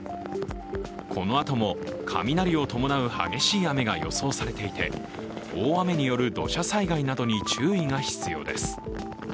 このあとも雷を伴う激しい雨が予想されていて、大雨による土砂災害などに注意が必要です。